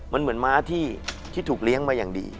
มันเหมือนม้าที่ถูกเลี้ยงมาอย่างดี